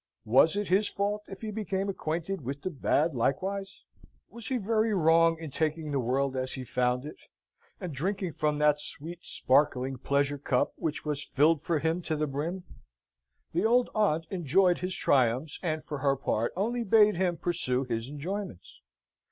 Was it his fault if he became acquainted with the bad likewise? Was he very wrong in taking the world as he found it, and drinking from that sweet sparkling pleasure cup, which was filled for him to the brim? The old aunt enjoyed his triumphs, and for her part only bade him pursue his enjoyments.